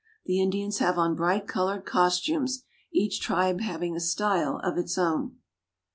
The Indians have on bright colored costumes, each tribe having a style of its own.